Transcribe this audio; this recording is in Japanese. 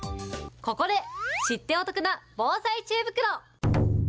ここで知ってお得な防災知恵袋。